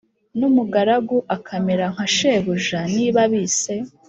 n umugaragu akamera nka shebuja Niba bise